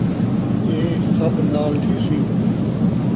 ایہ سب نال تھیسی